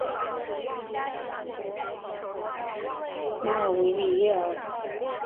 莫尔维利耶尔。